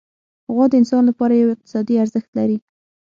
غوا د انسان لپاره یو اقتصادي ارزښت لري.